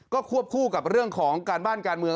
ก็ควบคู่กับเรื่องของการบ้านการเมือง